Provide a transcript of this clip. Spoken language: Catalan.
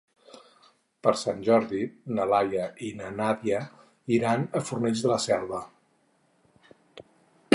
Per Sant Jordi na Laia i na Nàdia iran a Fornells de la Selva.